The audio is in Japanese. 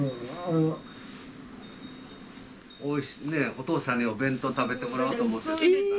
お父さんにお弁当食べてもらおうと思って。